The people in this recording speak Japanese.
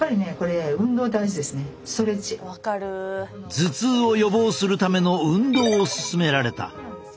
頭痛を予防するための運動を勧められた。